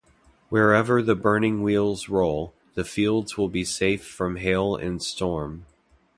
Wherever the burning wheels roll, the fields will be safe from hail and storm.